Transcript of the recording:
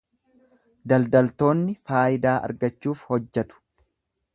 Daldaltoonni faayidaa argachuuf hojjatu.